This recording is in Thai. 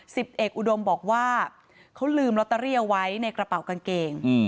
สิบเอกอุดมบอกว่าเขาลืมลอตเตอรี่เอาไว้ในกระเป๋ากางเกง